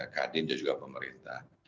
kadin dan juga pemerintah